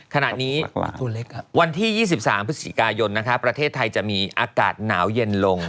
ขณะนี้วันที่๒๓พฤศจิกายนประเทศไทยจะมีอากาศหนาวเย็นลง